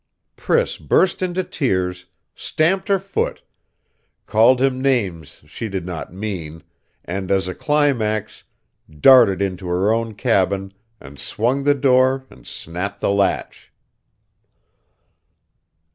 Priss burst into tears, stamped her foot, called him names she did not mean, and as a climax, darted into her own cabin, and swung the door, and snapped the latch.